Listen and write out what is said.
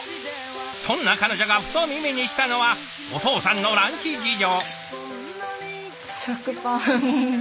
そんな彼女がふと耳にしたのはお父さんのランチ事情。